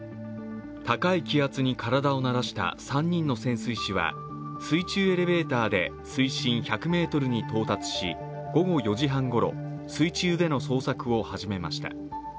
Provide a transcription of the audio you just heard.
高い気圧に体を慣らした３人の潜水士は水中エレベーターで水深１００ｍに到達し、午後４時半ごろ、水中での捜索を始めました。